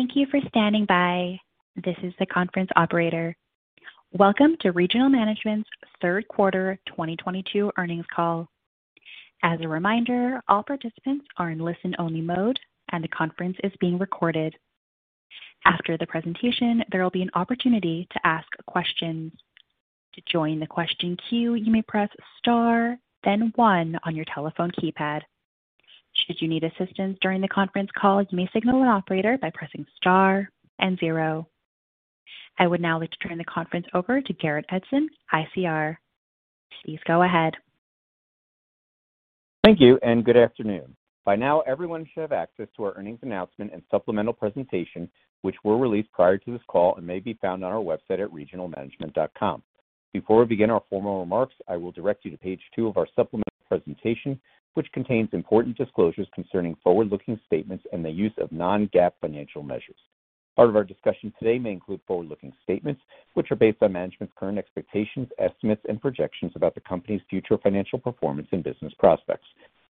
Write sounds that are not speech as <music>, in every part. Thank you for standing by. This is the conference operator. Welcome to Regional Management's third quarter 2022 earnings call. As a reminder, all participants are in listen-only mode, and the conference is being recorded. After the presentation, there will be an opportunity to ask questions. To join the question queue, you may press star, then one on your telephone keypad. Should you need assistance during the conference call, you may signal an operator by pressing star and zero. I would now like to turn the conference over to Garrett Edson, ICR. Please go ahead. Thank you and good afternoon. By now, everyone should have access to our earnings announcement and supplemental presentation, which were released prior to this call and may be found on our website at regionalmanagement.com. Before we begin our formal remarks, I will direct you to page two of our supplemental presentation, which contains important disclosures concerning forward-looking statements and the use of non-GAAP financial measures. Part of our discussion today may include forward-looking statements which are based on management's current expectations, estimates, and projections about the company's future financial performance and business prospects.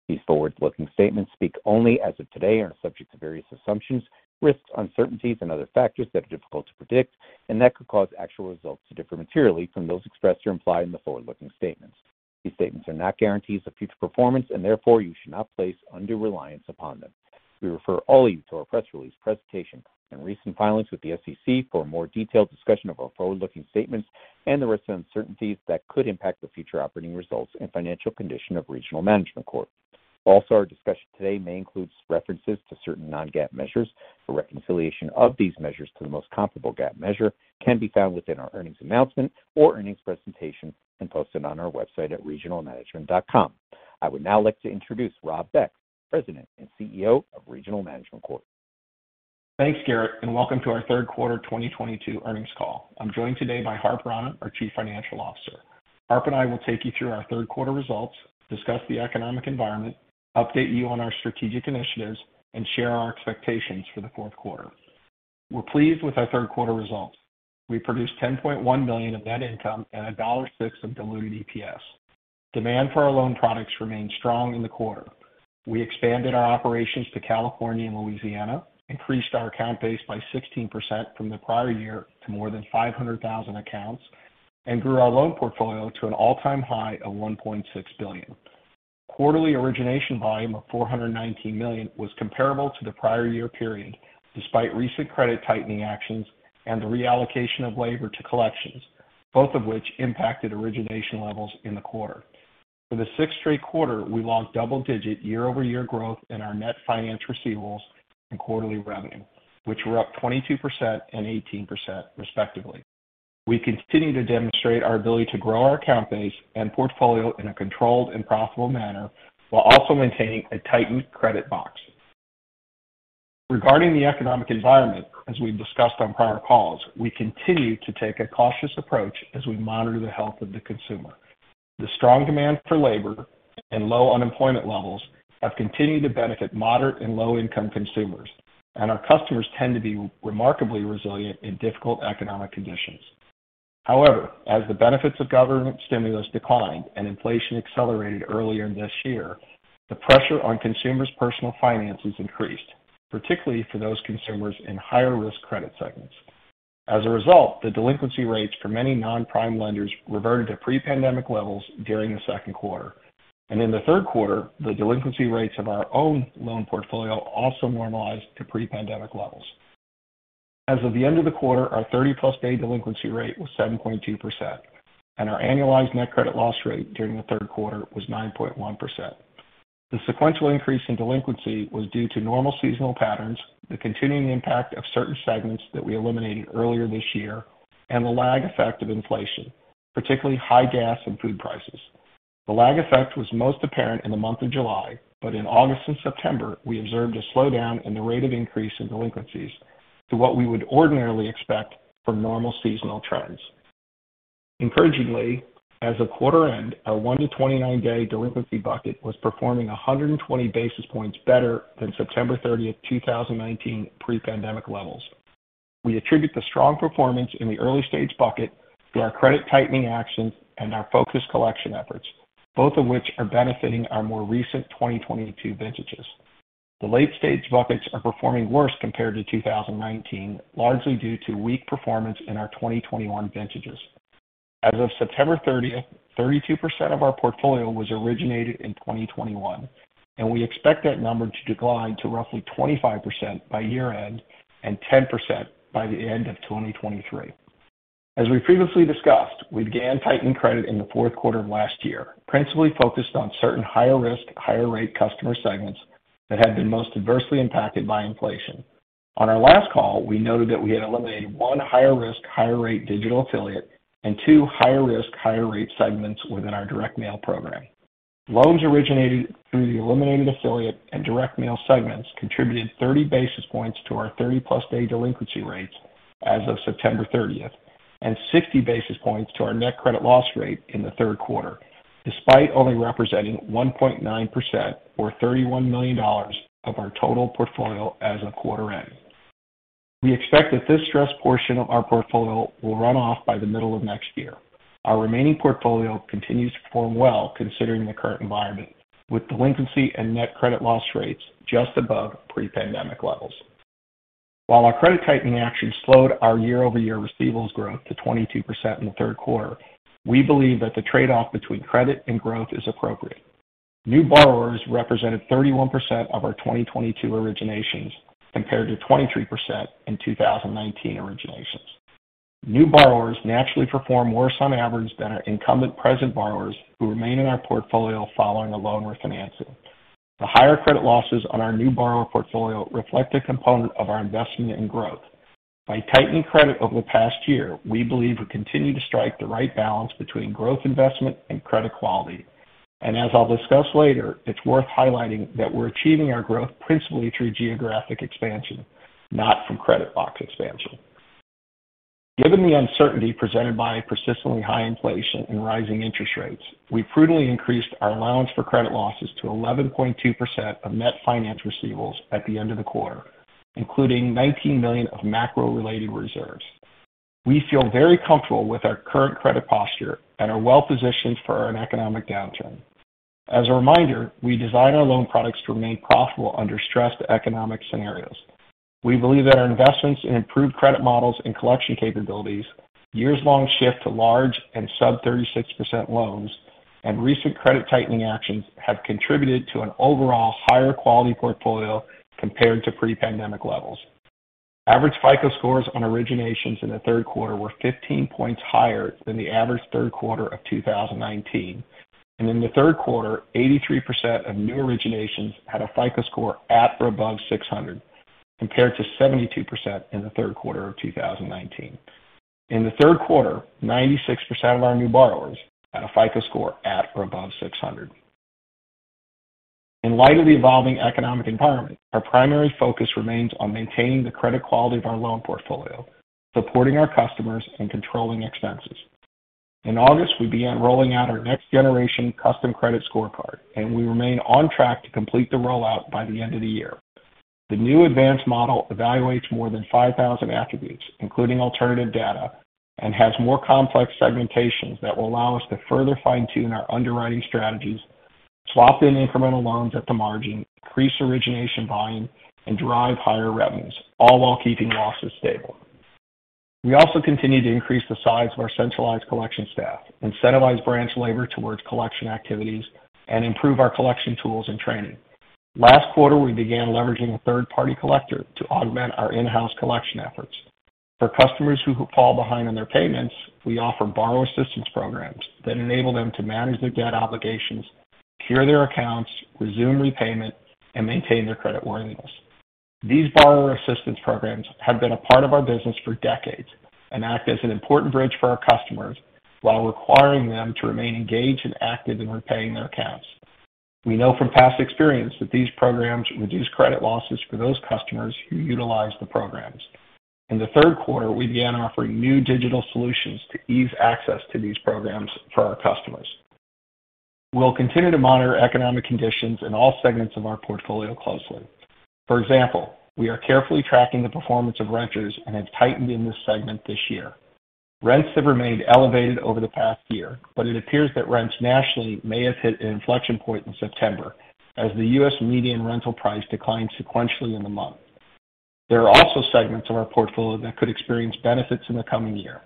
These forward-looking statements speak only as of today and are subject to various assumptions, risks, uncertainties, and other factors that are difficult to predict and that could cause actual results to differ materially from those expressed or implied in the forward-looking statements. These statements are not guarantees of future performance, and therefore, you should not place undue reliance upon them. We refer all of you to our press release presentation and recent filings with the SEC for a more detailed discussion of our forward-looking statements and the risks and uncertainties that could impact the future operating results and financial condition of Regional Management Corp. Also, our discussion today may include references to certain non-GAAP measures. For reconciliation of these measures to the most comparable GAAP measure can be found within our earnings announcement or earnings presentation and posted on our website at regionalmanagement.com. I would now like to introduce Rob Beck, President and CEO of Regional Management Corp. Thanks, Garrett, and welcome to our third quarter 2022 earnings call. I'm joined today by Harp Rana, our Chief Financial Officer. Harp and I will take you through our third quarter results, discuss the economic environment, update you on our strategic initiatives, and share our expectations for the fourth quarter. We're pleased with our third quarter results. We produced $10.1 million of net income and $1.06 of diluted EPS. Demand for our loan products remained strong in the quarter. We expanded our operations to California and Louisiana, increased our account base by 16% from the prior year to more than 500,000 accounts, and grew our loan portfolio to an all-time high of $1.6 billion. Quarterly origination volume of $419 million was comparable to the prior year period, despite recent credit tightening actions and the reallocation of labor to collections, both of which impacted origination levels in the quarter. For the sixth straight quarter, we logged double-digit year-over-year growth in our net finance receivables and quarterly revenue. Which were up 22% and 18% respectively. We continue to demonstrate our ability to grow our account base and portfolio in a controlled and profitable manner while also maintaining a tightened credit box. Regarding the economic environment, as we've discussed on prior calls, we continue to take a cautious approach as we monitor the health of the consumer. The strong demand for labor and low unemployment levels have continued to benefit moderate and low-income consumers, and our customers tend to be remarkably resilient in difficult economic conditions. However, as the benefits of government stimulus declined and inflation accelerated earlier this year, the pressure on consumers' personal finances increased, particularly for those consumers in higher-risk credit segments. As a result, the delinquency rates for many non-prime lenders reverted to pre-pandemic levels during the second quarter. In the third quarter, the delinquency rates of our own loan portfolio also normalized to pre-pandemic levels. As of the end of the quarter, our 30+ day delinquency rate was 7.2%, and our annualized net credit loss rate during the third quarter was 9.1%. The sequential increase in delinquency was due to normal seasonal patterns, the continuing impact of certain segments that we eliminated earlier this year, and the lag effect of inflation, particularly high gas and food prices. The lag effect was most apparent in the month of July, but in August and September, we observed a slowdown in the rate of increase in delinquencies to what we would ordinarily expect from normal seasonal trends. Encouragingly, as of quarter end, our one- to 29-day delinquency bucket was performing 120 basis points better than September 30, 2019 pre-pandemic levels. We attribute the strong performance in the early-stage bucket to our credit tightening actions and our focused collection efforts, both of which are benefiting our more recent 2022 vintages. The late-stage buckets are performing worse compared to 2019, largely due to weak performance in our 2021 vintages. As of September 30, 32% of our portfolio was originated in 2021, and we expect that number to decline to roughly 25% by year-end and 10% by the end of 2023. We previously discussed, we began tightening credit in the fourth quarter of last year, principally focused on certain higher risk, higher rate customer segments that had been most adversely impacted by inflation. On our last call, we noted that we had eliminated one higher-risk, higher-rate digital affiliate and two higher-risk, higher-rate segments within our direct mail program. Loans originated through the eliminated affiliate and direct mail segments contributed 30 basis points to our 30+ day delinquency rates as of September 30th and 60 basis points to our net credit loss rate in the third quarter, despite only representing 1.9% or $31 million of our total portfolio as of quarter end. We expect that this stressed portion of our portfolio will run off by the middle of next year. Our remaining portfolio continues to perform well considering the current environment, with delinquency and net credit loss rates just above pre-pandemic levels. While our credit tightening actions slowed our year-over-year receivables growth to 22% in the third quarter, we believe that the trade-off between credit and growth is appropriate. New borrowers represented 31% of our 2022 originations compared to 23% in 2019 originations. New borrowers naturally perform worse on average than our incumbent present borrowers who remain in our portfolio following a loan refinancing. The higher credit losses on our new borrower portfolio reflect a component of our investment in growth. By tightening credit over the past year, we believe we continue to strike the right balance between growth investment and credit quality. As I'll discuss later, it's worth highlighting that we're achieving our growth principally through geographic expansion, not from credit box expansion. Given the uncertainty presented by persistently high inflation and rising interest rates, we prudently increased our allowance for credit losses to 11.2% of net finance receivables at the end of the quarter, including $19 million of macro-related reserves. We feel very comfortable with our current credit posture and are well-positioned for an economic downturn. As a reminder, we design our loan products to remain profitable under stressed economic scenarios. We believe that our investments in improved credit models and collection capabilities, years-long shift to large and sub-36% loans, and recent credit tightening actions have contributed to an overall higher quality portfolio compared to pre-pandemic levels. Average FICO scores on originations in the third quarter were 15 points higher than the average third quarter of 2019. In the third quarter, 83% of new originations had a FICO score at or above 600, compared to 72% in the third quarter of 2019. In the third quarter, 96% of our new borrowers had a FICO score at or above 600. In light of the evolving economic environment, our primary focus remains on maintaining the credit quality of our loan portfolio, supporting our customers, and controlling expenses. In August, we began rolling out our next-generation custom credit scorecard, and we remain on track to complete the rollout by the end of the year. The new advanced model evaluates more than 5,000 attributes, including alternative data, and has more complex segmentations that will allow us to further fine-tune our underwriting strategies, swap in incremental loans at the margin, increase origination volume, and drive higher revenues, all while keeping losses stable. We also continue to increase the size of our centralized collection staff, incentivize branch labor towards collection activities, and improve our collection tools and training. Last quarter, we began leveraging a third-party collector to augment our in-house collection efforts. For customers who fall behind on their payments, we offer borrower assistance programs that enable them to manage their debt obligations, cure their accounts, resume repayment, and maintain their creditworthiness. These borrower assistance programs have been a part of our business for decades and act as an important bridge for our customers while requiring them to remain engaged and active in repaying their accounts. We know from past experience that these programs reduce credit losses for those customers who utilize the programs. In the third quarter, we began offering new digital solutions to ease access to these programs for our customers. We'll continue to monitor economic conditions in all segments of our portfolio closely. For example, we are carefully tracking the performance of renters and have tightened in this segment this year. Rents have remained elevated over the past year, but it appears that rents nationally may have hit an inflection point in September as the U.S. median rental price declined sequentially in the month. There are also segments of our portfolio that could experience benefits in the coming year.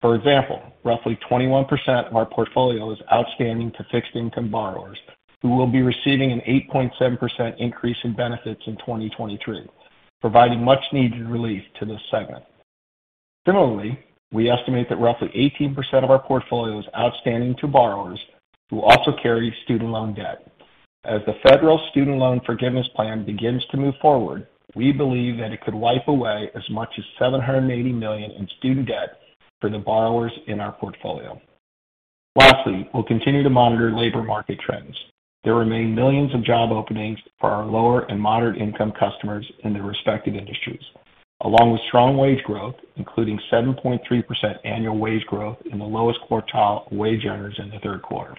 For example, roughly 21% of our portfolio is outstanding to fixed-income borrowers who will be receiving an 8.7% increase in benefits in 2023, providing much-needed relief to this segment. Similarly, we estimate that roughly 18% of our portfolio is outstanding to borrowers who also carry student loan debt. As the federal student loan forgiveness plan begins to move forward, we believe that it could wipe away as much as $780 million in student debt for the borrowers in our portfolio. Lastly, we'll continue to monitor labor market trends. There remain millions of job openings for our lower and moderate-income customers in their respective industries, along with strong wage growth, including 7.3% annual wage growth in the lowest quartile wage earners in the third quarter.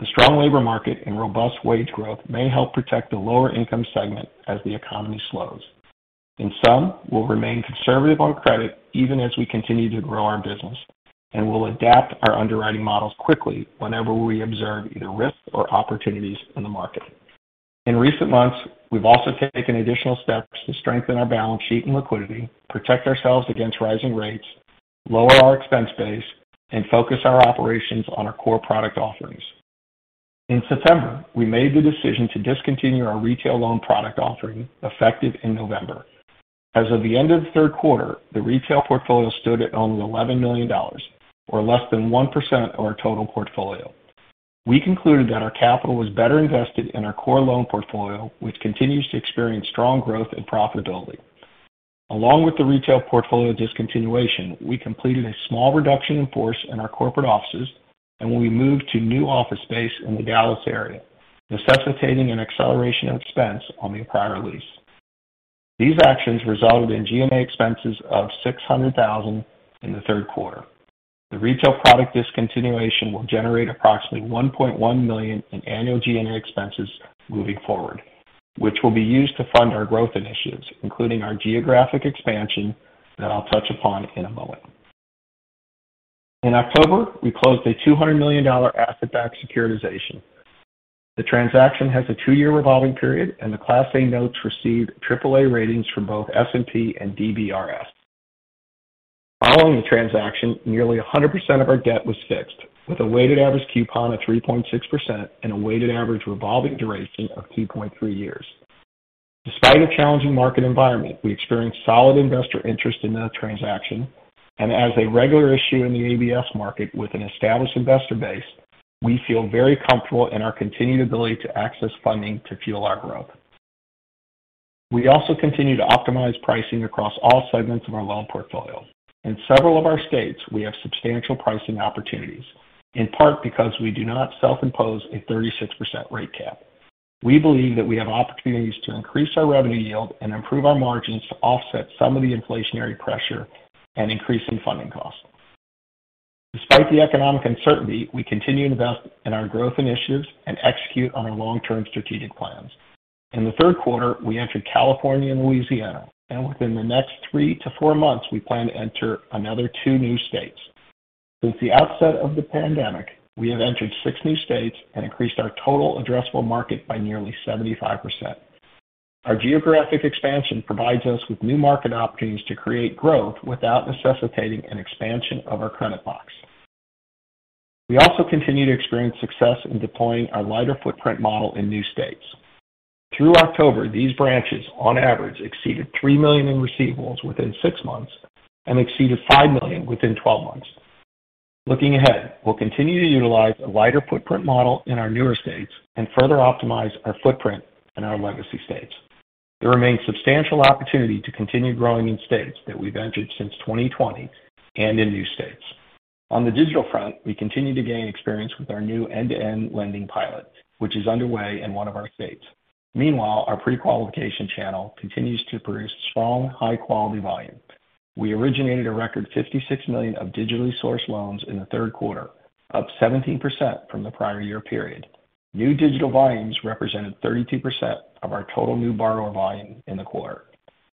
The strong labor market and robust wage growth may help protect the lower-income segment as the economy slows. In sum, we'll remain conservative on credit even as we continue to grow our business, and we'll adapt our underwriting models quickly whenever we observe either risks or opportunities in the market. In recent months, we've also taken additional steps to strengthen our balance sheet and liquidity, protect ourselves against rising rates, lower our expense base, and focus our operations on our core product offerings. In September, we made the decision to discontinue our retail loan product offering effective in November. As of the end of the third quarter, the retail portfolio stood at only $11 million or less than 1% of our total portfolio. We concluded that our capital was better invested in our core loan portfolio, which continues to experience strong growth and profitability. Along with the retail portfolio discontinuation, we completed a small reduction in force in our corporate offices, and we moved to new office space in the Dallas area, necessitating an acceleration of expense on the prior lease. These actions resulted in G&A expenses of $600,000 in the third quarter. The retail product discontinuation will generate approximately $1.1 million in annual G&A expenses moving forward, which will be used to fund our growth initiatives, including our geographic expansion that I'll touch upon in a moment. In October, we closed a $200 million dollar asset-backed securitization. The transaction has a two-year revolving period, and the Class A notes received AAA ratings from both S&P and DBRS. Following the transaction, nearly 100% of our debt was fixed, with a weighted average coupon of 3.6% and a weighted average revolving duration of 2.3 years. Despite a challenging market environment, we experienced solid investor interest in that transaction. As a regular issuer in the ABS market with an established investor base, we feel very comfortable in our continued ability to access funding to fuel our growth. We also continue to optimize pricing across all segments of our loan portfolio. In several of our states, we have substantial pricing opportunities, in part because we do not self-impose a 36% rate cap. We believe that we have opportunities to increase our revenue yield and improve our margins to offset some of the inflationary pressure and increasing funding costs. Despite the economic uncertainty, we continue to invest in our growth initiatives and execute on our long-term strategic plans. In the third quarter, we entered California and Louisiana, and within the next three-four months, we plan to enter another two new states. Since the outset of the pandemic, we have entered six new states and increased our total addressable market by nearly 75%. Our geographic expansion provides us with new market opportunities to create growth without necessitating an expansion of our credit box. We also continue to experience success in deploying our lighter footprint model in new states. Through October, these branches on average exceeded $3 million in receivables within six months and exceeded $5 million within 12 months. Looking ahead, we'll continue to utilize a lighter footprint model in our newer states and further optimize our footprint in our legacy states. There remains substantial opportunity to continue growing in states that we've entered since 2020 and in new states. On the digital front, we continue to gain experience with our new end-to-end lending pilot, which is underway in one of our states. Meanwhile, our pre-qualification channel continues to produce strong, high quality volume. We originated a record $56 million of digitally-sourced loans in the third quarter, up 17% from the prior year period. New digital volumes represented 32% of our total new borrower volume in the quarter.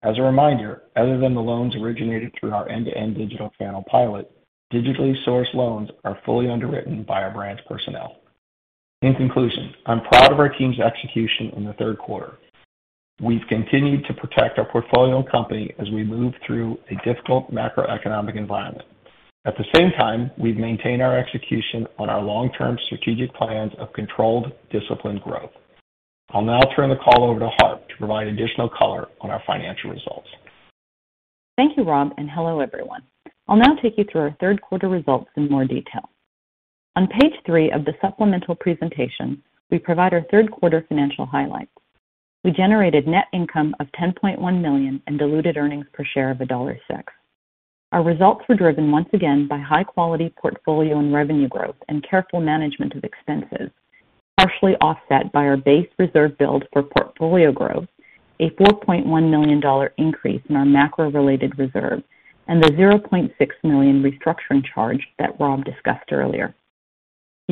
As a reminder, other than the loans originated through our end-to-end digital channel pilot, digitally-sourced loans are fully underwritten by our branch personnel. In conclusion, I'm proud of our team's execution in the third quarter. We've continued to protect our portfolio and company as we move through a difficult macroeconomic environment. At the same time, we've maintained our execution on our long-term strategic plans of controlled, disciplined growth. I'll now turn the call over to Harp to provide additional color on our financial results. Thank you, Rob, and hello, everyone. I'll now take you through our third quarter results in more detail. On page three of the supplemental presentation, we provide our third quarter financial highlights. We generated net income of $10.1 million and diluted earnings per share of $1.06. Our results were driven once again by high-quality portfolio and revenue growth and careful management of expenses, partially offset by our base reserve build for portfolio growth, a $4.1 million increase in our macro-related reserve, and the $0.6 million restructuring charge that Rob discussed earlier.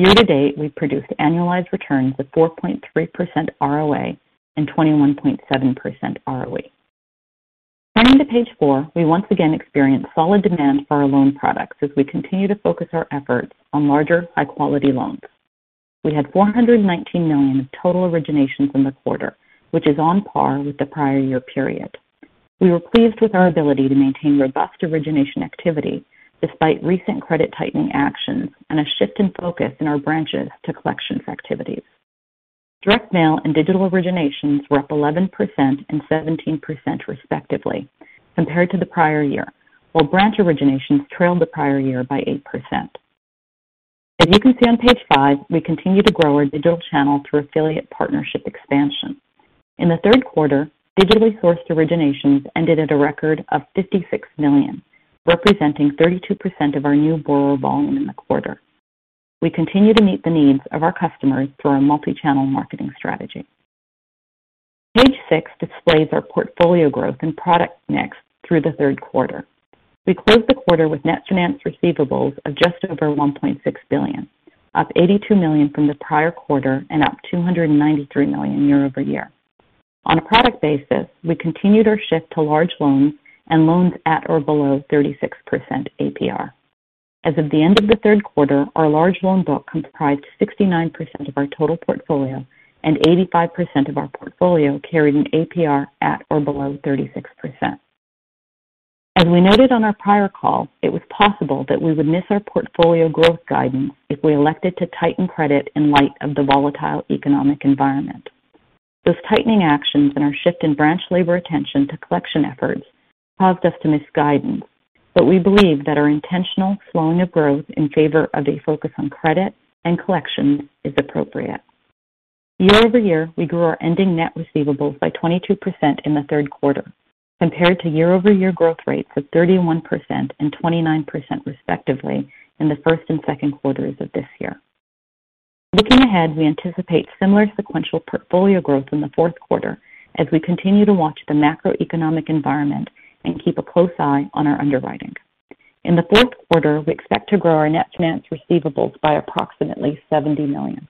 Year-to-date, we produced annualized returns of 4.3% ROA and 21.7% ROE. Turning to page four, we once again experienced solid demand for our loan products as we continue to focus our efforts on larger, high-quality loans. We had $419 million of total originations in the quarter, which is on par with the prior year period. We were pleased with our ability to maintain robust origination activity despite recent credit tightening actions and a shift in focus in our branches to collections activities. Direct mail and digital originations were up 11% and 17% respectively compared to the prior year, while branch originations trailed the prior year by 8%. As you can see on page five, we continue to grow our digital channel through affiliate partnership expansion. In the third quarter, digitally-sourced originations ended at a record of $56 million, representing 32% of our new borrower volume in the quarter. We continue to meet the needs of our customers through our multi-channel marketing strategy. Page six displays our portfolio growth and product mix through the third quarter. We closed the quarter with net finance receivables of just over $1.6 billion, up $82 million from the prior quarter and up $293 million year-over-year. On a product basis, we continued our shift to large loans and loans at or below 36% APR. As of the end of the third quarter, our large loan book comprised 69% of our total portfolio and 85% of our portfolio carried an APR at or below 36%. As we noted on our prior call, it was possible that we would miss our portfolio growth guidance if we elected to tighten credit in light of the volatile economic environment. Those tightening actions and our shift in branch labor attention to collection efforts caused us to miss guidance. We believe that our intentional slowing of growth in favor of a focus on credit and collections is appropriate. Year-over-year, we grew our ending net receivables by 22% in the third quarter, compared to year-over-year growth rates of 31% and 29% respectively in the first and second quarters of this year. Looking ahead, we anticipate similar sequential portfolio growth in the fourth quarter as we continue to watch the macroeconomic environment and keep a close eye on our underwriting. In the fourth quarter, we expect to grow our net finance receivables by approximately $70 million.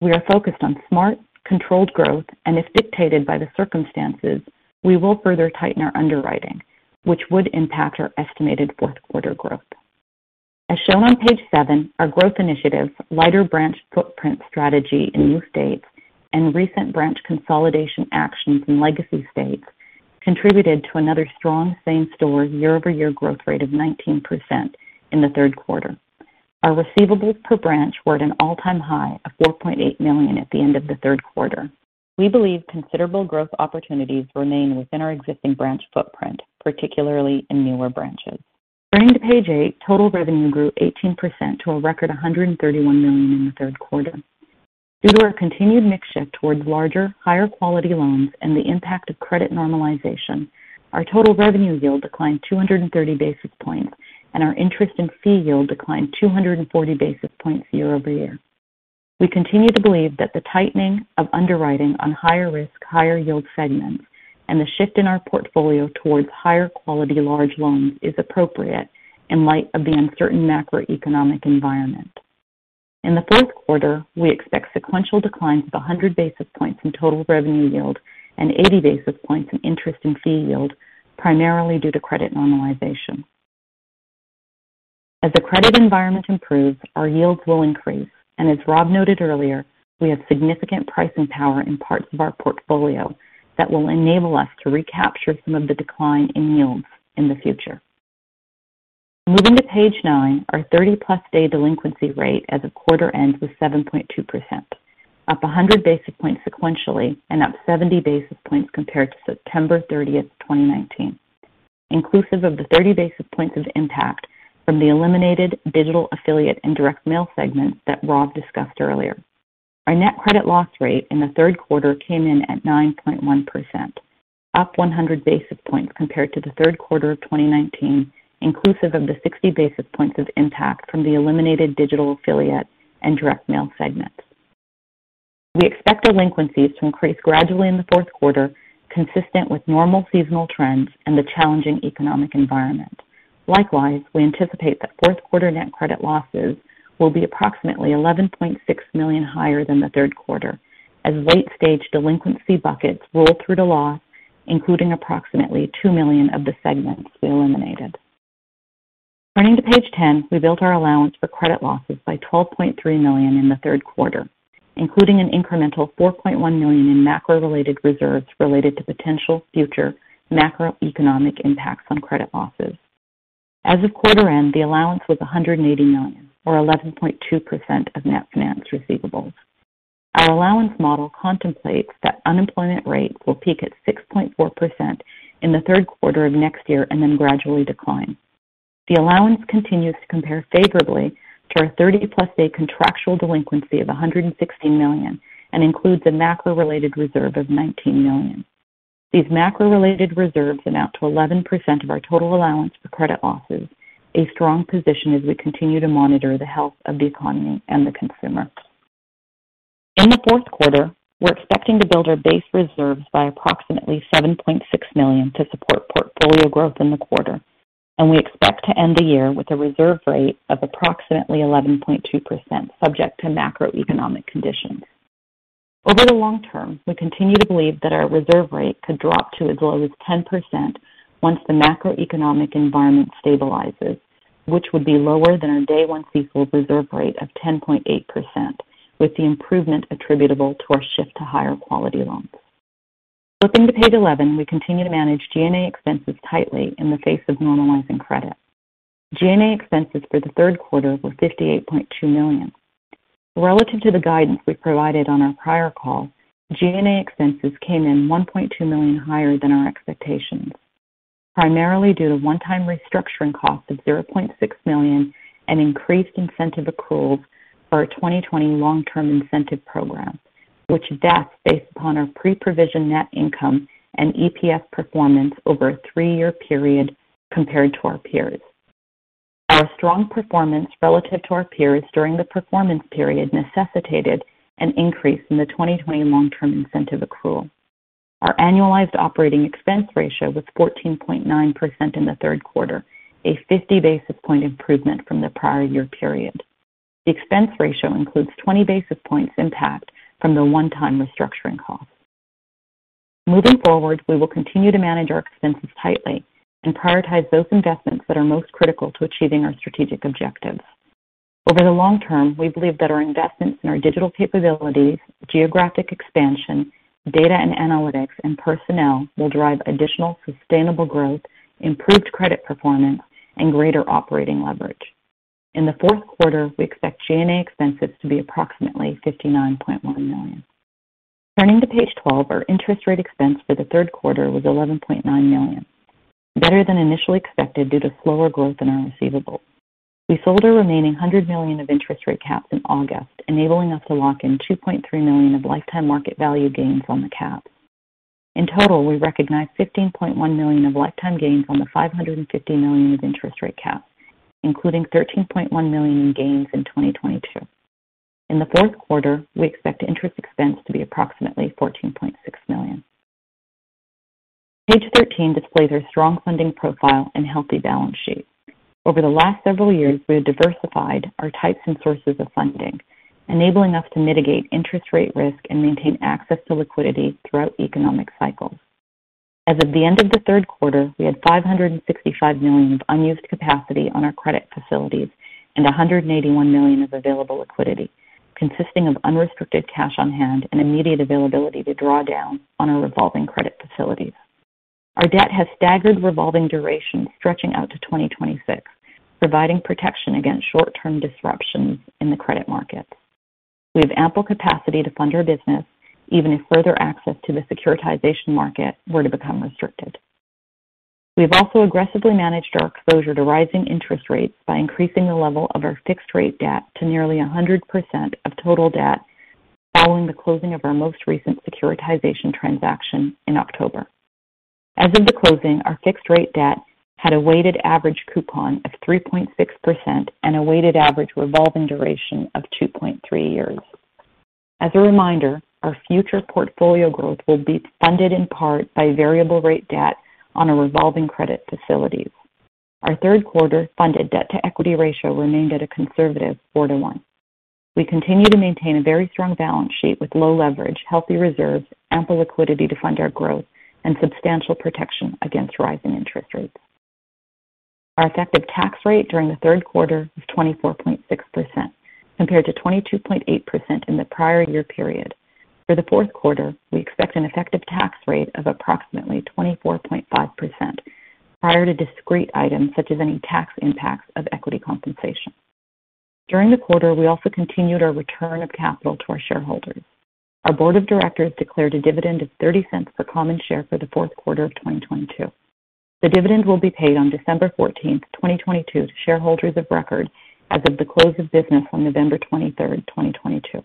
We are focused on smart, controlled growth, and if dictated by the circumstances, we will further tighten our underwriting, which would impact our estimated fourth quarter growth. As shown on page seven, our growth initiative, lighter branch footprint strategy in new states, and recent branch consolidation actions in legacy states contributed to another strong same-store year-over-year growth rate of 19% in the third quarter. Our receivables per branch were at an all-time high of $4.8 million at the end of the third quarter. We believe considerable growth opportunities remain within our existing branch footprint, particularly in newer branches. Turning to page eight, total revenue grew 18% to a record $131 million in the third quarter. Due to our continued mix shift towards larger, higher quality loans and the impact of credit normalization, our total revenue yield declined 230 basis points and our interest and fee yield declined 240 basis points year-over-year. We continue to believe that the tightening of underwriting on higher risk, higher yield segments and the shift in our portfolio towards higher quality large loans is appropriate in light of the uncertain macroeconomic environment. In the fourth quarter, we expect sequential declines of 100 basis points in total revenue yield and 80 basis points in interest and fee yield primarily due to credit normalization. As the credit environment improves, our yields will increase. As Rob noted earlier, we have significant pricing power in parts of our portfolio that will enable us to recapture some of the decline in yields in the future. Moving to page nine, our 30+ day delinquency rate as a quarter end was 7.2%, up 100 basis points sequentially and up 70 basis points compared to September 30, 2019. Inclusive of the 30 basis points of impact from the eliminated digital affiliate and direct mail segments that Rob discussed earlier. Our net credit loss rate in the third quarter came in at 9.1%, up 100 basis points compared to the third quarter of 2019, inclusive of the 60 basis points of impact from the eliminated digital affiliate and direct mail segments. We expect delinquencies to increase gradually in the fourth quarter, consistent with normal seasonal trends and the challenging economic environment. Likewise, we anticipate that fourth quarter net credit losses will be approximately $11.6 million higher than the third quarter as late-stage delinquency buckets roll through to loss, including approximately $2 million of the segments we eliminated. Turning to page 10, we built our allowance for credit losses by $12.3 million in the third quarter, including an incremental $4.1 million in macro-related reserves related to potential future macroeconomic impacts on credit losses. As of quarter end, the allowance was $180 million or 11.2% of net finance receivables. Our allowance model contemplates that unemployment rates will peak at 6.4% in the third quarter of next year and then gradually decline. The allowance continues to compare favorably to our 30+ day contractual delinquency of $160 million and includes a macro-related reserve of $19 million. These macro-related reserves amount to 11% of our total allowance for credit losses, a strong position as we continue to monitor the health of the economy and the consumer. In the fourth quarter, we're expecting to build our base reserves by approximately $7.6 million to support portfolio growth in the quarter, and we expect to end the year with a reserve rate of approximately 11.2% subject to macroeconomic conditions. Over the long term, we continue to believe that our reserve rate could drop to as low as 10% once the macroeconomic environment stabilizes, which would be lower than our day-one CECL reserve rate of 10.8% with the improvement attributable to our shift to higher quality loans. Flipping to page 11, we continue to manage G&A expenses tightly in the face of normalizing credit. G&A expenses for the third quarter were $58.2 million. Relative to the guidance we provided on our prior call, G&A expenses came in $1.2 million higher than our expectations, primarily due to one-time restructuring costs of $0.6 million and increased incentive accruals for our 2020 long-term incentive program, which vests based upon our pre-provision net income and EPS performance over a three-year period compared to our peers. Our strong performance relative to our peers during the performance period necessitated an increase in the 2020 long-term incentive accrual. Our annualized operating expense ratio was 14.9% in the third quarter, a 50-basis-point improvement from the prior year period. The expense ratio includes 20 basis points impact from the one-time restructuring cost. Moving forward, we will continue to manage our expenses tightly and prioritize those investments that are most critical to achieving our strategic objectives. Over the long term, we believe that our investments in our digital capabilities, geographic expansion, data and analytics, and personnel will drive additional sustainable growth, improved credit performance, and greater operating leverage. In the fourth quarter, we expect G&A expenses to be approximately $59.1 million. Turning to page 12, our interest rate expense for the third quarter was $11.9 million. Better than initially expected due to slower growth in our receivables. We sold our remaining $100 million of interest rate caps in August, enabling us to lock in $2.3 million of lifetime market value gains on the caps. In total, we recognized $15.1 million of lifetime gains on the $550 million of interest rate caps, including $13.1 million in gains in 2022. In the fourth quarter, we expect interest expense to be approximately $14.6 million. Page 13 displays our strong funding profile and healthy balance sheet. Over the last several years, we have diversified our types and sources of funding, enabling us to mitigate interest rate risk and maintain access to liquidity throughout economic cycles. As of the end of the third quarter, we had $565 million of unused capacity on our credit facilities and $181 million of available liquidity consisting of unrestricted cash on hand and immediate availability to draw down on our revolving credit facilities. Our debt has staggered revolving duration stretching out to 2026, providing protection against short-term disruptions in the credit markets. We have ample capacity to fund our business even if further access to the securitization market were to become restricted. We've also aggressively managed our exposure to rising interest rates by increasing the level of our fixed rate debt to nearly 100% of total debt following the closing of our most recent securitization transaction in October. As of the closing, our fixed-rate debt had a weighted average coupon of 3.6% and a weighted average revolving duration of 2.3 years. As a reminder, our future portfolio growth will be funded in part by variable rate debt on our revolving credit facilities. Our third quarter funded debt-to-equity ratio remained at a conservative 4-to-1. We continue to maintain a very strong balance sheet with low leverage, healthy reserves, ample liquidity to fund our growth, and substantial protection against rising interest rates. Our effective tax rate during the third quarter was 24.6% compared to 22.8% in the prior year period. For the fourth quarter, we expect an effective tax rate of approximately 24.5% prior to discrete items such as any tax impacts of equity compensation. During the quarter, we also continued our return of capital to our shareholders. Our board of directors declared a dividend of $0.30 per common share for the fourth quarter of 2022. The dividend will be paid on December 14, 2022 to shareholders of record as of the close of business on November 23rd, 2022.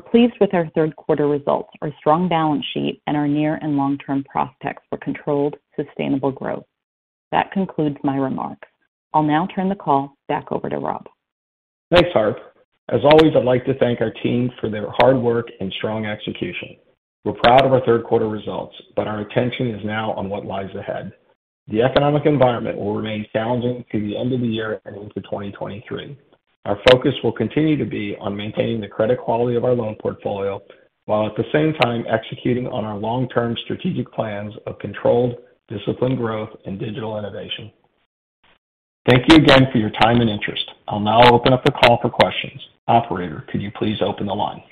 We're pleased with our third quarter results, our strong balance sheet, and our near and long-term prospects for controlled, sustainable growth. That concludes my remarks. I'll now turn the call back over to Rob. Thanks, Harp. As always, I'd like to thank our team for their hard work and strong execution. We're proud of our third quarter results, but our attention is now on what lies ahead. The economic environment will remain challenging through the end of the year and into 2023. Our focus will continue to be on maintaining the credit quality of our loan portfolio while at the same time executing on our long-term strategic plans of controlled, disciplined growth and digital innovation. Thank you again for your time and interest. I'll now open up the call for questions. Operator, could you please open the line?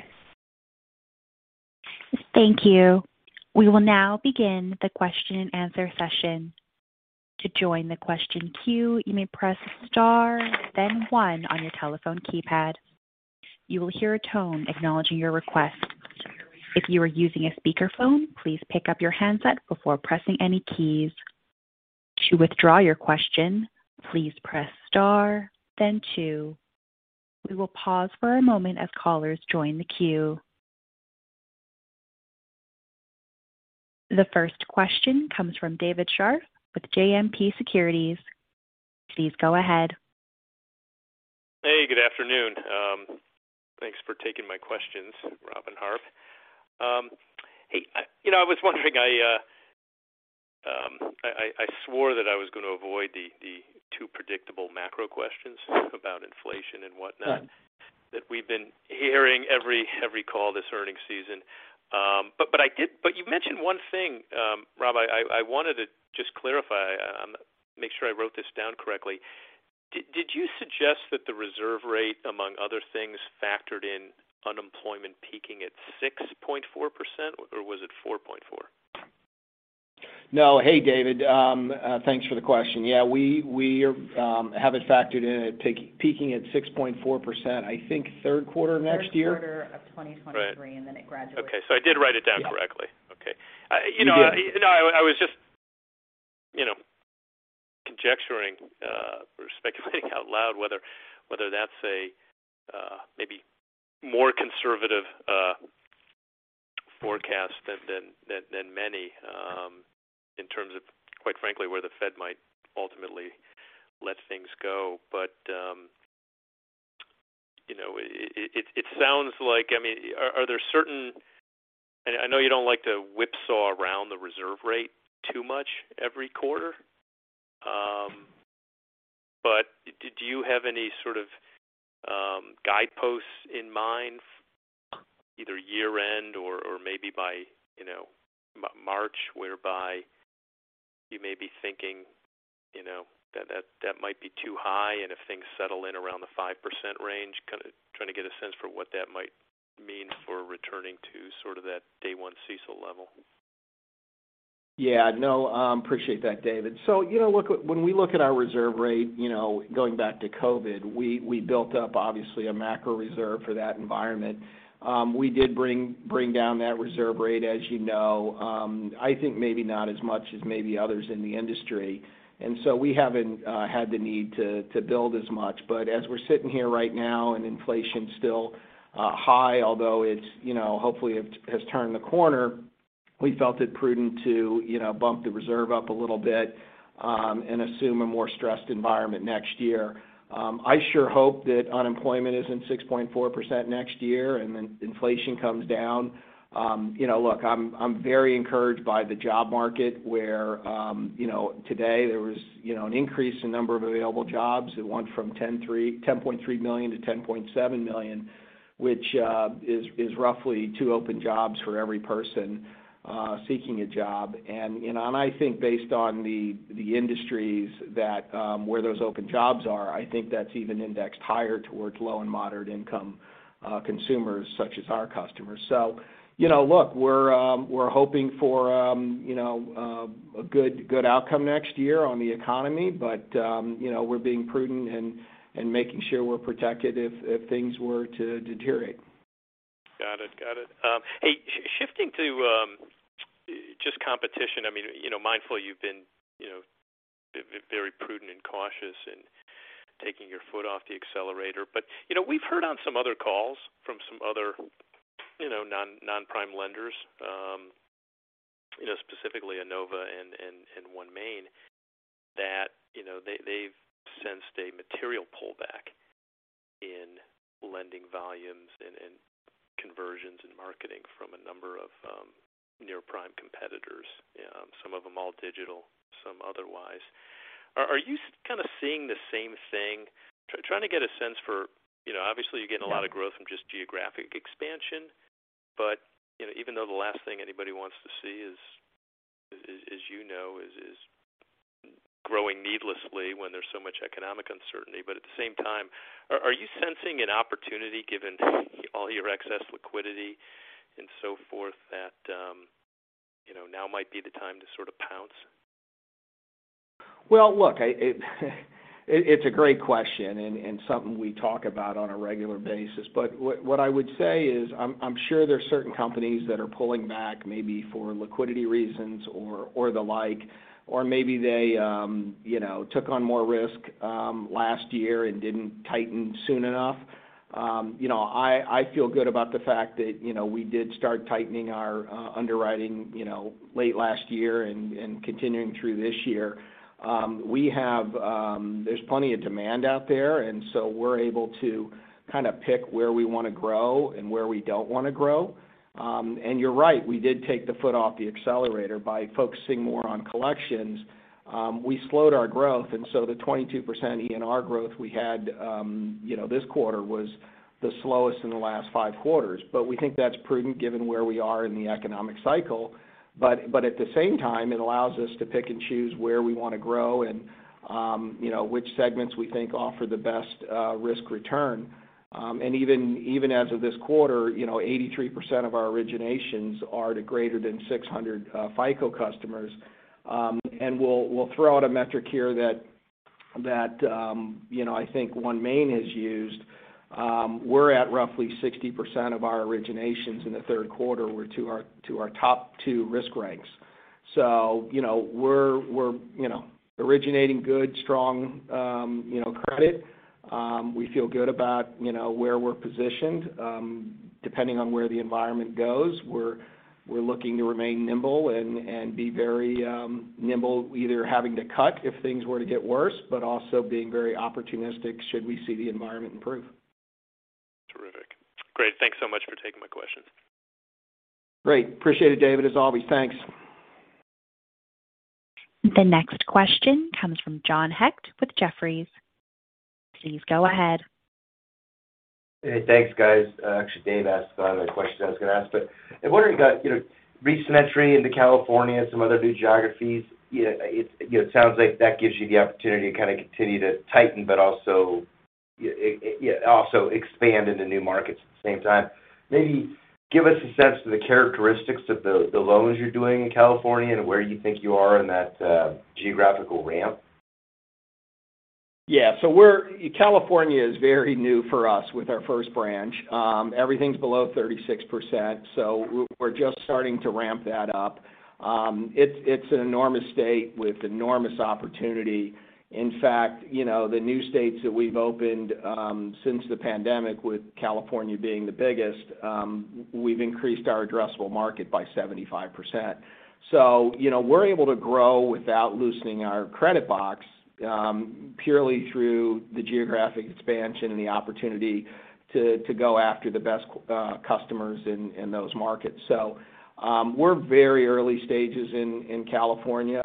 Thank you. We will now begin the question-and-answer session. To join the question queue, you may press star then one on your telephone keypad. You will hear a tone acknowledging your request. If you are using a speakerphone, please pick up your handset before pressing any keys. To withdraw your question, please press star then two. We will pause for a moment as callers join the queue. The first question comes from David Scharf with JMP Securities. Please go ahead. Hey, good afternoon. Thanks for taking my questions, Rob and Harp. You know, I was wondering, I swore that I was going to avoid the two predictable macro questions about inflation and whatnot that we've been hearing every call this earnings season. You've mentioned one thing, Rob, I wanted to just clarify, make sure I wrote this down correctly. Did you suggest that the reserve rate, among other things, factored in unemployment peaking at 6.4%, or was it 4.4%? No. Hey, David. Thanks for the question. Yeah, we have it factored in at peaking at 6.4%, I think, third quarter next year. Third quarter of 2023, and then it graduates. Okay. I did write it down correctly. Okay. You know, I was just, you know, conjecturing or speculating out loud whether that's a maybe more conservative forecast than many in terms of, quite frankly, where the Fed might ultimately let things go. You know, it sounds like, I mean, are there certain, I know you don't like to whipsaw around the reserve rate too much every quarter. Do you have any sort of guideposts in mind either year-end or maybe by, you know, March, whereby you may be thinking, you know, that might be too high and if things settle in around the 5% range. Kind of trying to get a sense for what that might mean for returning to sort of that day one CECL level. Yeah, no, appreciate that, David. You know, look, when we look at our reserve rate, you know, going back to COVID, we built up obviously a macro reserve for that environment. We did bring down that reserve rate as you know, I think maybe not as much as maybe others in the industry, and so we haven't had the need to build as much. As we're sitting here right now and inflation still high, although it's, you know, hopefully it has turned the corner. We felt it prudent to, you know, bump the reserve up a little bit, and assume a more stressed environment next year. I sure hope that unemployment isn't 6.4% next year and then inflation comes down. You know, look, I'm very encouraged by the job market where, you know, today there was, you know, an increase in number of available jobs. It went from 10.3 million to 10.7 million, which is roughly two open jobs for every person seeking a job. You know, I think based on the industries that where those open jobs are, I think that's even indexed higher towards low and moderate income consumers such as our customers. You know, look, we're hoping for, you know, a good outcome next year on the economy, but, you know, we're being prudent and making sure we're protected if things were to deteriorate. Got it. Hey, shifting to just competition. I mean, you know, mindful you've been, you know, very prudent and cautious in taking your foot off the accelerator. You know, we've heard on some other calls from some other, you know, non-prime lenders, you know, specifically Enova and OneMain, that, you know, they've sensed a material pullback in lending volumes and conversions in marketing from a number of near-prime competitors, some of them all digital, some otherwise. Are you kind of seeing the same thing? Trying to get a sense for, you know, obviously you're getting a lot of growth from just geographic expansion. You know, even though the last thing anybody wants to see is, as you know, growing needlessly when there's so much economic uncertainty. At the same time, are you sensing an opportunity given all your excess liquidity and so forth that, you know, now might be the time to sort of pounce? Well, look, it's a great question and something we talk about on a regular basis. What I would say is I'm sure there are certain companies that are pulling back maybe for liquidity reasons or the like, or maybe they you know, took on more risk last year and didn't tighten soon enough. You know, I feel good about the fact that you know, we did start tightening our underwriting you know, late last year and continuing through this year. There's plenty of demand out there, and so we're able to kind of pick where we wanna grow and where we don't wanna grow. You're right, we did take the foot off the accelerator by focusing more on collections. We slowed our growth, and so the 22% ENR growth we had, you know, this quarter was the slowest in the last five quarters. We think that's prudent given where we are in the economic cycle. At the same time, it allows us to pick and choose where we wanna grow and, you know, which segments we think offer the best risk return. Even as of this quarter, you know, 83% of our originations are to greater than 600 FICO customers. We'll throw out a metric here that you know, I think OneMain has used. We're at roughly 60% of our originations in the third quarter were to our top two risk ranks. You know, we're, you know, originating good, strong, you know, credit. We feel good about, you know, where we're positioned. Depending on where the environment goes, we're looking to remain nimble and be very nimble, either having to cut if things were to get worse, but also being very opportunistic should we see the environment improve. Terrific. Great. Thanks so much for taking my questions. Great. Appreciate it, David, as always. Thanks. The next question comes from John Hecht with Jefferies. Please go ahead. Hey, thanks, guys. Actually Dave asked a lot of the questions I was gonna ask. I'm wondering about, you know, recent entry into California, some other new geographies. You know, it sounds like that gives you the opportunity to kind of continue to tighten but also expand into new markets at the same time. Maybe give us a sense of the characteristics of the loans you're doing in California and where you think you are in that geographical ramp? Yeah. California is very new for us with our first branch. Everything's below 36%, so we're just starting to ramp that up. It's an enormous state with enormous opportunity. In fact, you know, the new states that we've opened since the pandemic, with California being the biggest, we've increased our addressable market by 75%. So, you know, we're able to grow without loosening our credit box purely through the geographic expansion and the opportunity to go after the best customers in those markets. So, we're very early stages in California.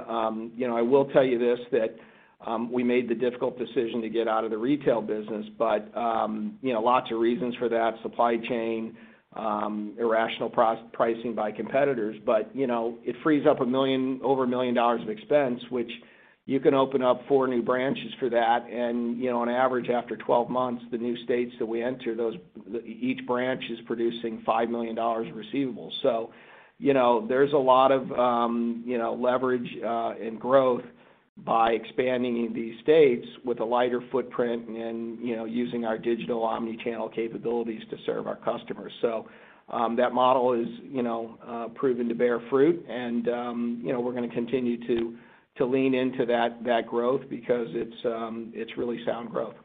You know, I will tell you this, that we made the difficult decision to get out of the retail business, but you know, lots of reasons for that, supply chain, irrational pricing by competitors. You know, it frees up over $1 million of expense, which you can open up four new branches for that. You know, on average, after 12 months, the new states that we enter, those each branch is producing $5 million of receivables. You know, there's a lot of, you know, leverage and growth by expanding in these states with a lighter footprint and, you know, using our digital omni-channel capabilities to serve our customers. That model is, you know, proven to bear fruit and, you know, we're gonna continue to lean into that growth because it's really sound growth.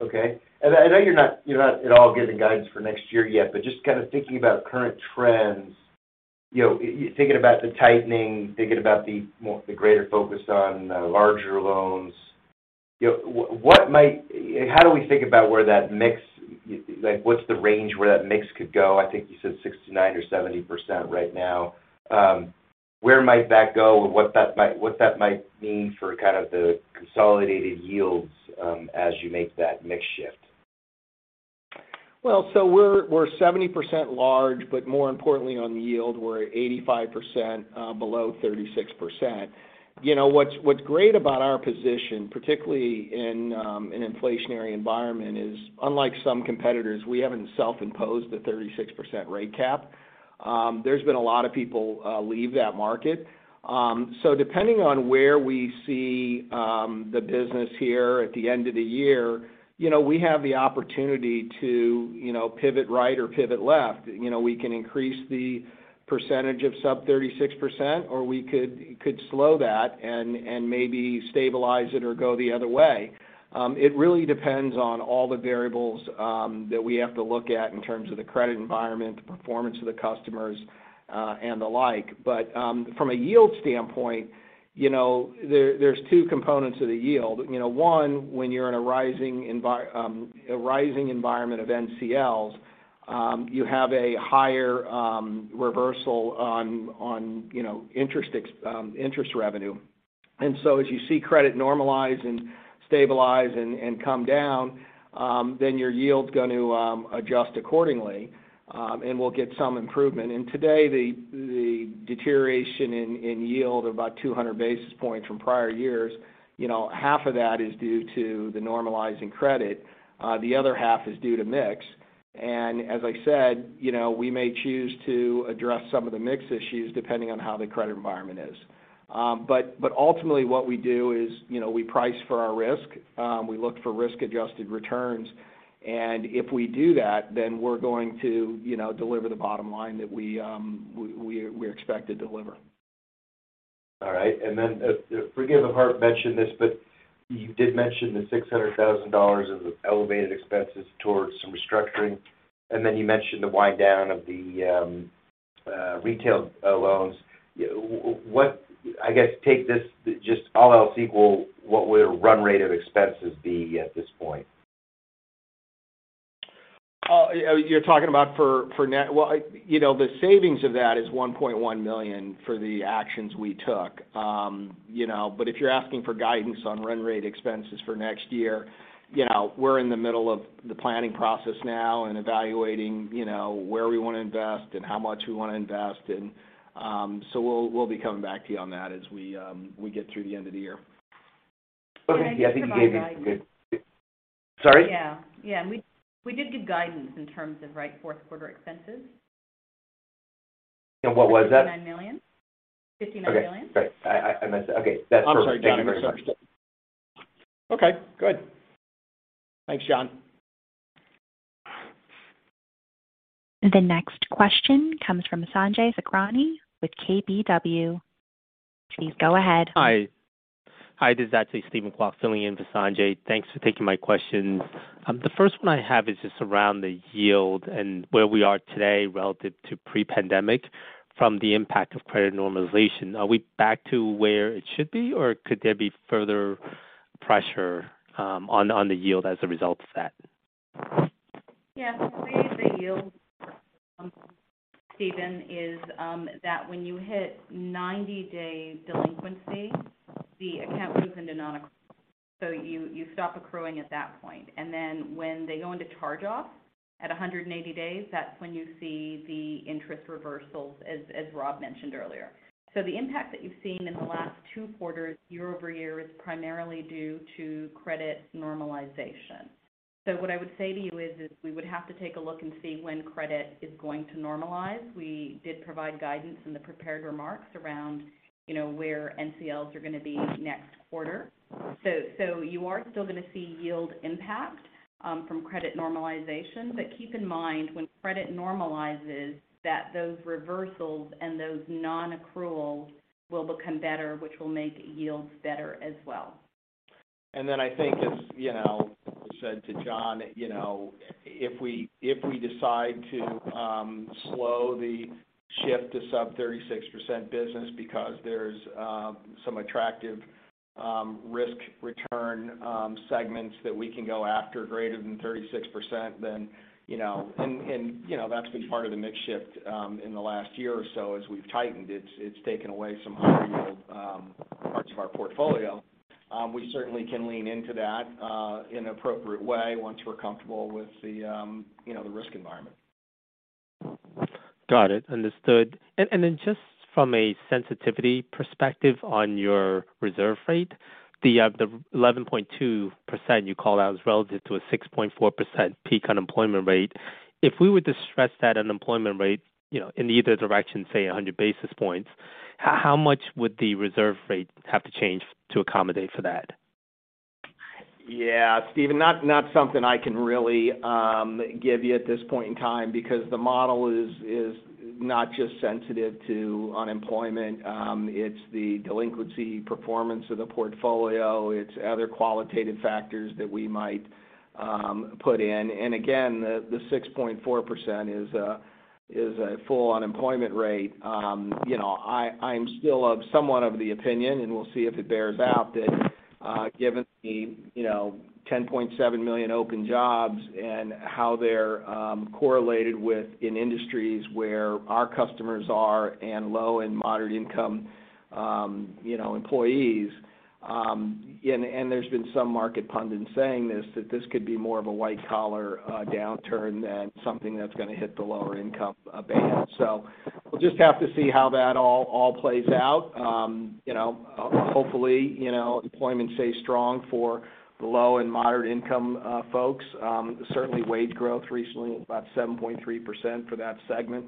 Okay. I know you're not at all giving guidance for next year yet, but just kind of thinking about current trends, you know, you're thinking about the tightening, thinking about the greater focus on larger loans. You know, what might. How do we think about where that mix, like what's the range where that mix could go? I think you said 69% or 70% right now. Where might that go and what that might mean for kind of the consolidated yields, as you make that mix shift? Well, we're 70% large, but more importantly on the yield, we're 85% below 36%. You know, what's great about our position, particularly in an inflationary environment, is unlike some competitors, we haven't self-imposed a 36% rate cap. There's been a lot of people leave that market. Depending on where we see the business here at the end of the year, you know, we have the opportunity to pivot right or pivot left. You know, we can increase the percentage of sub-36% or we could slow that and maybe stabilize it or go the other way. It really depends on all the variables that we have to look at in terms of the credit environment, the performance of the customers, and the like. From a yield standpoint, you know, there's two components of the yield. You know, one, when you're in a rising environment of NCLs, you have a higher reversal on, you know, interest revenue. As you see credit normalize and stabilize and come down, then your yield's going to adjust accordingly, and we'll get some improvement. Today the deterioration in yield of about 200 basis points from prior years, you know, half of that is due to the normalizing credit, the other half is due to mix. As I said, you know, we may choose to address some of the mix issues depending on how the credit environment is. Ultimately what we do is, you know, we price for our risk. We look for risk-adjusted returns. If we do that, then we're going to, you know, deliver the bottom line that we expect to deliver. All right. Forgive if Harp mentioned this, but you did mention the $600,000 of elevated expenses towards some restructuring, and then you mentioned the wind down of the retail loans. I guess take this just all else equal, what would a run rate of expenses be at this point? You're talking about for net? Well, you know, the savings of that is $1.1 million for the actions we took. You know, but if you're asking for guidance on run rate expenses for next year, you know, we're in the middle of the planning process now and evaluating, you know, where we wanna invest and how much we wanna invest. We'll be coming back to you on that as we get through the end of the year. <crosstalk> Sorry? Yeah. We did give guidance in terms of, right, fourth quarter expenses. What was that? $[59] million. Okay. Great. I missed that. Okay. That's perfect. Thank you very much. I'm sorry, John. I misunderstood. Okay, good. Thanks, John. The next question comes from Sanjay Sakhrani with KBW. Please go ahead. Hi. Hi, this is actually Steven Kwok filling in for Sanjay. Thanks for taking my questions. The first one I have is just around the yield and where we are today relative to pre-pandemic from the impact of credit normalization. Are we back to where it should be or could there be further pressure on the yield as a result of that? Yeah. The way the yield, Steven, is that when you hit 90-day delinquency, the account moves into non-accrual. You stop accruing at that point. Then when they go into charge-off at 180 days, that's when you see the interest reversals as Rob mentioned earlier. The impact that you've seen in the last two quarters year-over-year is primarily due to credit normalization. What I would say to you is we would have to take a look and see when credit is going to normalize. We did provide guidance in the prepared remarks around, you know, where NCLs are gonna be next quarter. You are still gonna see yield impact from credit normalization, but keep in mind when credit normalizes, that those reversals and those non-accruals will become better, which will make yields better as well. Then I think as you know, I said to John, you know, if we decide to slow the shift to sub-36% business because there's some attractive risk return segments that we can go after greater than 36% then, you know, that's been part of the mix shift in the last year or so as we've tightened it. It's taken away some high yield parts of our portfolio. We certainly can lean into that in an appropriate way once we're comfortable with the risk environment. Got it. Understood. Then just from a sensitivity perspective on your reserve rate, the 11.2% you called out was relative to a 6.4% peak unemployment rate. If we were to stress that unemployment rate, you know, in either direction, say 100 basis points, how much would the reserve rate have to change to accommodate for that? Yeah, Steven, not something I can really give you at this point in time because the model is not just sensitive to unemployment. It's the delinquency performance of the portfolio. It's other qualitative factors that we might put in. Again, the 6.4% is a full unemployment rate. You know, I'm still somewhat of the opinion, and we'll see if it bears out, that given the you know, 10.7 million open jobs and how they're correlated within industries where our customers are and low- and moderate-income you know, employees. There's been some market pundits saying this, that this could be more of a white-collar downturn than something that's going to hit the lower income band. We'll just have to see how that all plays out. You know, hopefully, you know, employment stays strong for the low- and moderate-income folks. Certainly wage growth recently about 7.3% for that segment.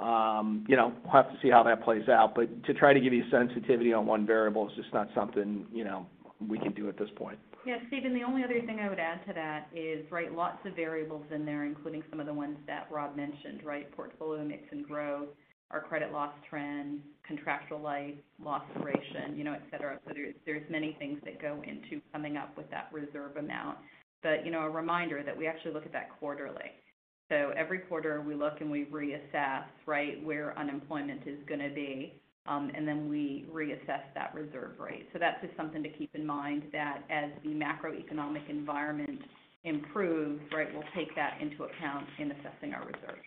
We'll have to see how that plays out. To try to give you sensitivity on one variable is just not something, you know, we can do at this point. Yeah, Steven, the only other thing I would add to that is, right, lots of variables in there, including some of the ones that Rob mentioned, right? Portfolio mix and growth, our credit loss trends, contractual life, loss duration, you know, et cetera. There's many things that go into coming up with that reserve amount. You know, a reminder that we actually look at that quarterly. Every quarter, we look, and we reassess, right, where unemployment is going to be, and then we reassess that reserve rate. That's just something to keep in mind that as the macroeconomic environment improves, right, we'll take that into account in assessing our reserve.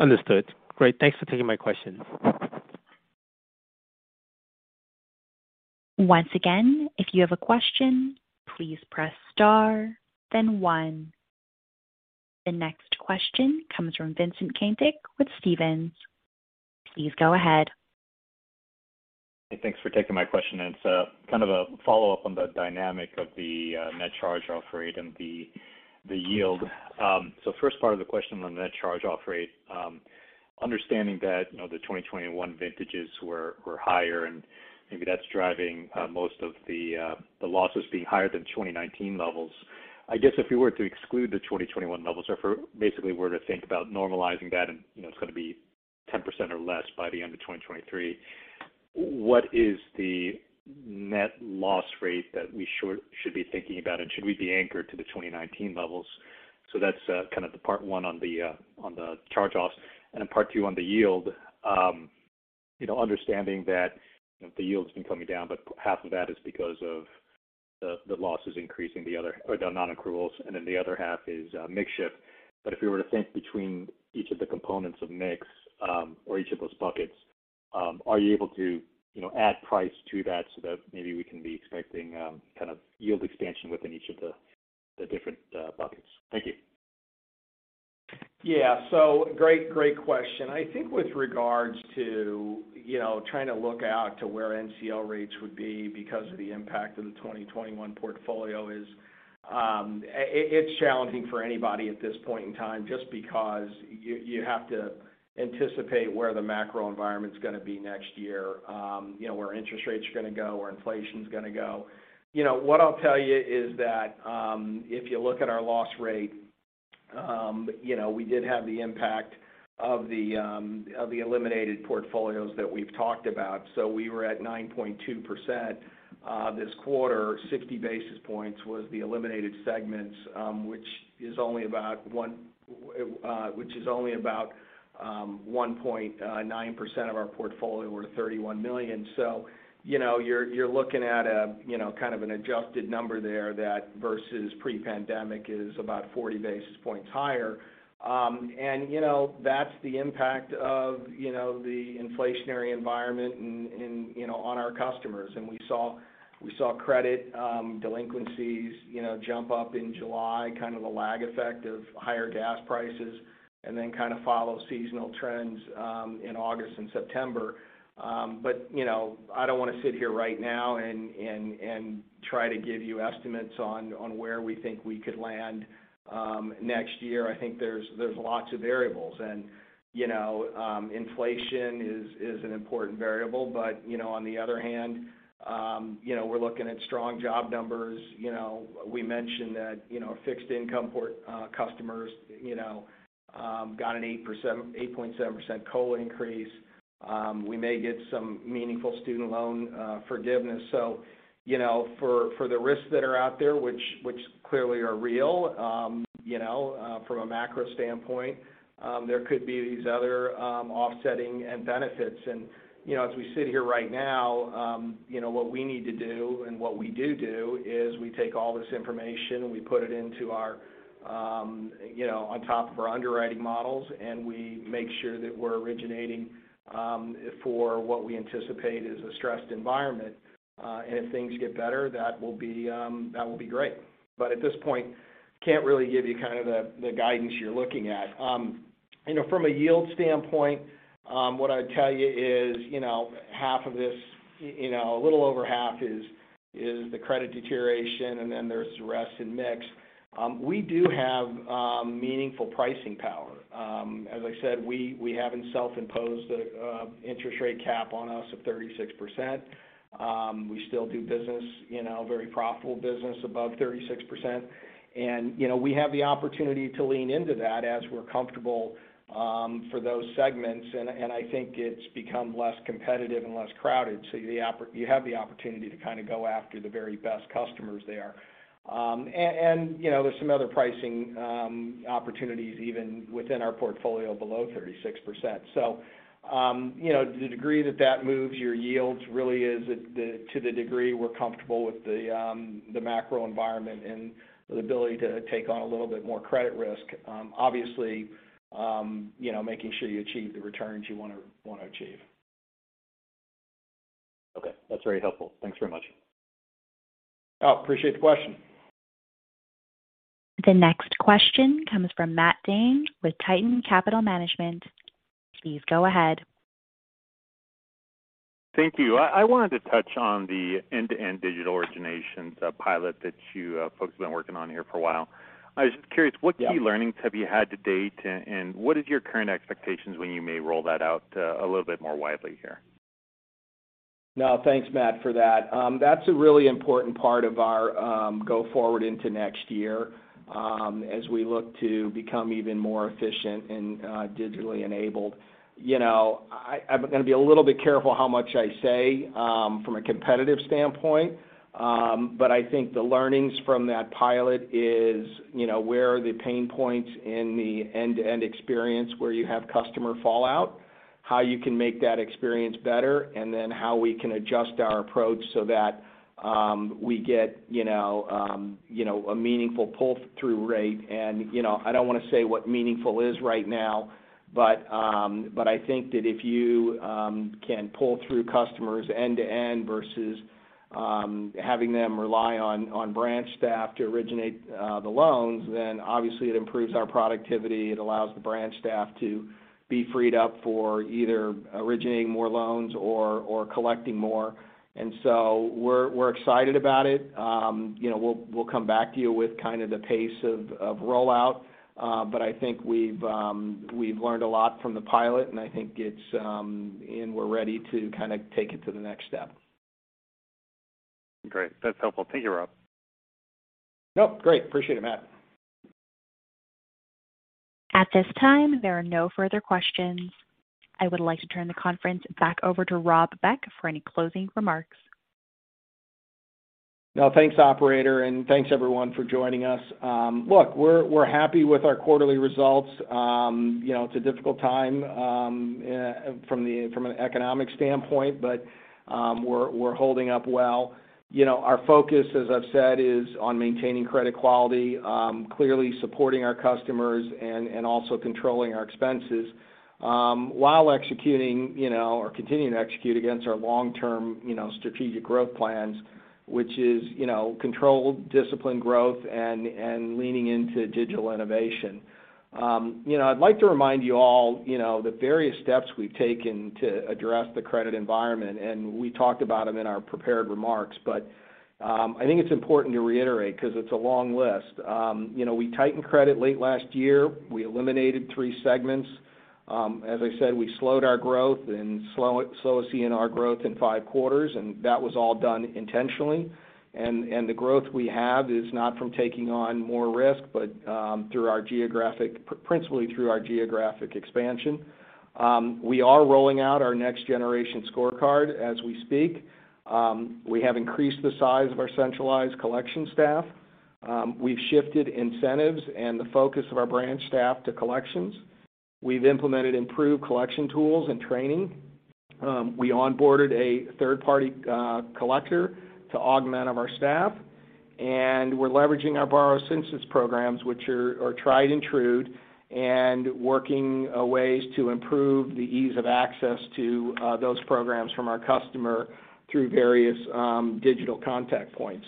Understood. Great. Thanks for taking my question. Once again, if you have a question, please press star then one. The next question comes from Vincent Caintic with Stephens. Please go ahead. Hey, thanks for taking my question. It's kind of a follow-up on the dynamic of the net charge-off rate and the yield. First part of the question on the net charge-off rate, understanding that, you know, the 2021 vintages were higher, and maybe that's driving most of the losses being higher than 2019 levels. I guess if you were to exclude the 2021 levels or basically were to think about normalizing that and, you know, it's going to be 10% or less by the end of 2023, what is the net loss rate that we should be thinking about? And should we be anchored to the 2019 levels? That's kind of the part one on the charge-offs. Part two on the yield. You know, understanding that the yields have been coming down, but half of that is because of the losses increasing the other or the non-accruals, and then the other half is mix shift. If we were to think between each of the components of mix, or each of those buckets, are you able to, you know, add price to that so that maybe we can be expecting kind of yield expansion within each of the different buckets? Thank you. Yeah. Great question. I think with regards to, you know, trying to look out to where NCL rates would be because of the impact of the 2021 portfolio, it's challenging for anybody at this point in time just because you have to anticipate where the macro environment's going to be next year. You know, where interest rates are going to go, where inflation's going to go. You know, what I'll tell you is that, if you look at our loss rate, you know, we did have the impact of the eliminated portfolios that we've talked about. We were at 9.2% this quarter. 60 basis points was the eliminated segments, which is only about 1.9% of our portfolio or $31 million. You know, you're looking at, you know, kind of an adjusted number there that versus pre-pandemic is about 40 basis points higher. You know, that's the impact of, you know, the inflationary environment and, you know, on our customers. We saw credit delinquencies, you know, jump up in July, kind of a lag effect of higher gas prices and then kind of follow seasonal trends in August and September. You know, I don't want to sit here right now and try to give you estimates on where we think we could land next year. I think there's lots of variables. You know, inflation is an important variable. You know, on the other hand, you know, we're looking at strong job numbers. You know, we mentioned that, you know, fixed income customers, you know, got an 8.7% COLA increase. We may get some meaningful student loan forgiveness. You know, for the risks that are out there, which clearly are real, you know, from a macro standpoint, there could be these other offsetting benefits. You know, as we sit here right now, you know, what we need to do and what we do is we take all this information, we put it into our, you know, on top of our underwriting models, and we make sure that we're originating for what we anticipate is a stressed environment. If things get better, that will be great. At this point, can't really give you kind of the guidance you're looking at. You know, from a yield standpoint, what I'd tell you is, you know, half of this, you know, a little over half is the credit deterioration, and then there's the rest in mix. We do have meaningful pricing power. As I said, we haven't self-imposed a interest rate cap on us of 36%. We still do business, you know, very profitable business above 36%. You know, we have the opportunity to lean into that as we're comfortable, for those segments, and I think it's become less competitive and less crowded. You have the opportunity to kind of go after the very best customers there. You know, there's some other pricing opportunities even within our portfolio below 36%. You know, the degree that that moves your yields really is to the degree we're comfortable with the macro environment and the ability to take on a little bit more credit risk. Obviously, you know, making sure you achieve the returns you wanna achieve. Okay. That's very helpful. Thanks very much. Oh, appreciate the question. The next question comes from Matt Dane with Titan Capital Management. Please go ahead. Thank you. I wanted to touch on the end-to-end digital origination pilot that you folks have been working on here for a while. I was just curious, what key learnings have you had to date, and what is your current expectations when you may roll that out a little bit more widely here? No, thanks, Matt, for that. That's a really important part of our go forward into next year as we look to become even more efficient and digitally enabled. You know, I'm gonna be a little bit careful how much I say from a competitive standpoint. I think the learnings from that pilot is, you know, where are the pain points in the end-to-end experience where you have customer fallout, how you can make that experience better, and then how we can adjust our approach so that we get, you know, you know, a meaningful pull-through rate. You know, I don't wanna say what meaningful is right now, but I think that if you can pull through customers end-to-end versus having them rely on branch staff to originate the loans, then obviously it improves our productivity. It allows the branch staff to be freed up for either originating more loans or collecting more. We're excited about it. You know, we'll come back to you with kind of the pace of rollout. But I think we've learned a lot from the pilot, and I think it's and we're ready to kind of take it to the next step. Great. That's helpful. Thank you, Rob. Nope, great. Appreciate it, Matt. At this time, there are no further questions. I would like to turn the conference back over to Rob Beck for any closing remarks. No, thanks, operator, and thanks everyone for joining us. Look, we're happy with our quarterly results. You know, it's a difficult time from an economic standpoint, but we're holding up well. You know, our focus, as I've said, is on maintaining credit quality, clearly supporting our customers and also controlling our expenses while executing or continuing to execute against our long-term strategic growth plans, which is controlled, disciplined growth and leaning into digital innovation. You know, I'd like to remind you all the various steps we've taken to address the credit environment, and we talked about them in our prepared remarks. I think it's important to reiterate because it's a long list. You know, we tightened credit late last year. We eliminated three segments. As I said, we slowed our growth, slowest ENR growth in five quarters, and that was all done intentionally. The growth we have is not from taking on more risk, but principally through our geographic expansion. We are rolling out our next generation scorecard as we speak. We have increased the size of our centralized collection staff. We've shifted incentives and the focus of our branch staff to collections. We've implemented improved collection tools and training. We onboarded a third-party collector to augment our staff. We're leveraging our borrower assistance programs, which are tried and true, and working ways to improve the ease of access to those programs for our customers through various digital contact points.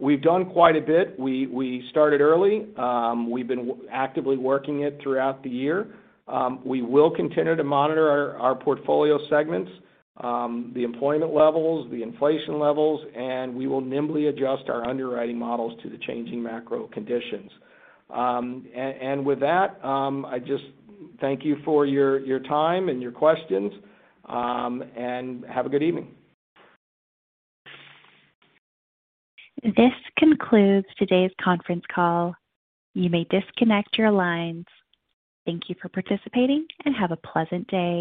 We've done quite a bit. We started early. We've been actively working it throughout the year. We will continue to monitor our portfolio segments, the employment levels, the inflation levels, and we will nimbly adjust our underwriting models to the changing macro conditions. With that, I just thank you for your time and your questions, and have a good evening. This concludes today's conference call. You may disconnect your lines. Thank you for participating, and have a pleasant day.